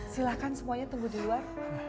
silahkan semuanya tunggu di luar